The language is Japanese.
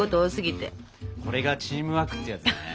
これがチームワークってやつだね。